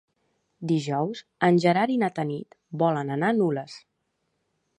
Dijous en Gerard i na Tanit volen anar a Nules.